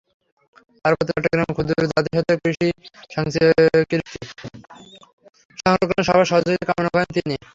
পার্বত্য চট্টগ্রামের ক্ষুদ্র জাতিসত্তার কৃষ্টি-সংস্কৃতি সংরক্ষণে সবার সহযোগিতা কামনা করেন তিনি।